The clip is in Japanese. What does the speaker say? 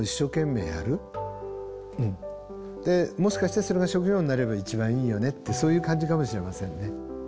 でもしかしたらそれが職業になれば一番いいよねってそういう感じかもしれませんね。